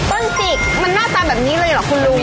ต้นจิกมันน่าจันแบบนี้เลยหรอคุณลุง